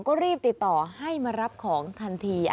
ก็รีบติดต่อให้มารับของทันที